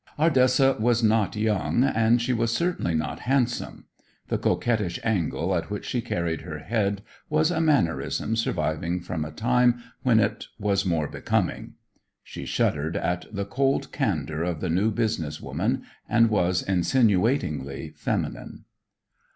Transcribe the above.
Ardessa was not young and she was certainly not handsome. The coquettish angle at which she carried her head was a mannerism surviving from a time when it was more becoming. She shuddered at the cold candor of the new business woman, and was insinuatingly feminine.